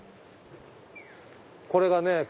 これがね